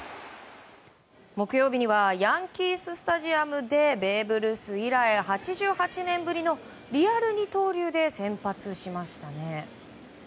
木曜日にはヤンキー・スタジアムでベーブ・ルース以来８８年ぶりのリアル二刀流で先発しました。